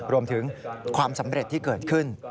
รวมถึงความสำเร็จที่เกิดขึ้น